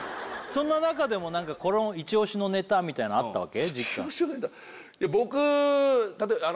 そんな中でも何かイチオシのネタみたいなのあったわけ？